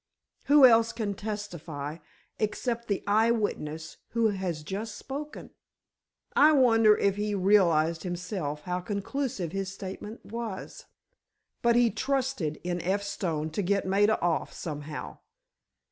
Who else can testify except the eye witness who has just spoken? I wonder if he realized himself how conclusive his statement was? But he trusted in F. Stone to get Maida off, somehow.